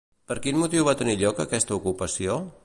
Per quin motiu va tenir lloc aquesta ocupació?